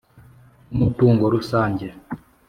nk'umutungo rusange